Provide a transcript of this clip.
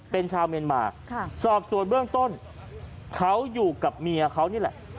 เป็นชาวเมียนมาสอบส่วนเบื้องต้นเขาอยู่กับเมียเขานี่แหละ